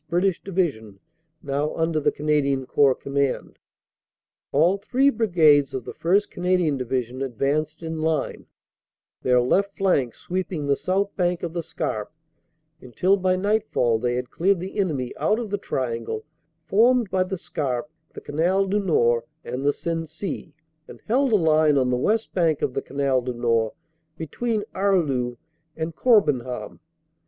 British Division, now under the Canadian Corps command. All three Brigades of the 1st. Canadian Division advanced in line, their left flank sweeping the south bank of the Scarpe, until by nightfall they had cleared the enemy out of the tri angle formed by the Scarpe, the Canal du Nord and the Sensee, and held a line on the west bank of the Canal du Nord between Arleux and Corbenham.